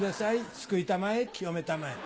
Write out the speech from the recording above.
救いたまえ清めたまえ。